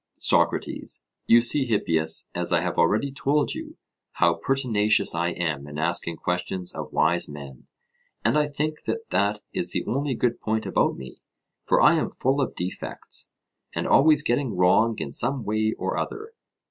SOCRATES: You see, Hippias, as I have already told you, how pertinacious I am in asking questions of wise men. And I think that this is the only good point about me, for I am full of defects, and always getting wrong in some way or other.